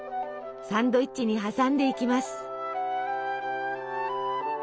サンドイッチに挟んでいきます。